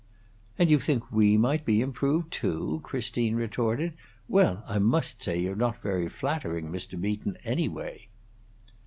"And you think we might be improved, too?" Christine retorted. "Well, I must say you're not very flattering, Mr. Beaton, anyway."